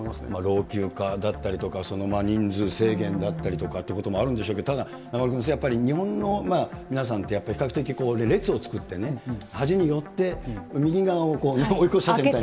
老朽化だったりとか、人数制限だったりとかってこともあるんでしょうけど、ただ中丸君、やっぱり日本の皆さんってやっぱり比較的、列を作って端によって右側を追い越し車線みたいに。